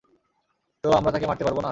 তো, আমরা তাকে মারতে পারবো না?